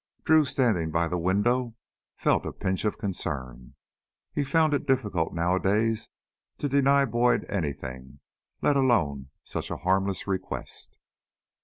Drew, standing by the window, felt a pinch of concern. He found it difficult nowadays to deny Boyd anything, let alone such a harmless request.